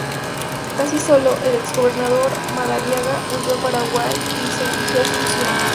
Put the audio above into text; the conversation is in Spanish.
Casi solo, el ex gobernador Madariaga huyó a Paraguay y se dirigió a Asunción.